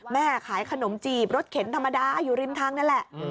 แม่ขายขนมจีบรถเข็นธรรมดาอยู่ริมทางนั่นแหละ